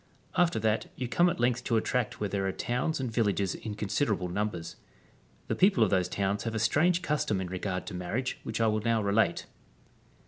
After that you come at length to a tract where there are towns and villages in considerable numbers.^ The people of those towns have a strange custom in regard to marriage which I will now relate.